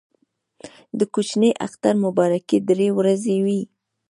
د کوچني اختر مبارکي درې ورځې وي.